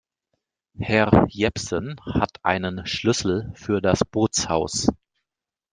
Herr Jepsen hat einen Schlüssel für das Bootshaus.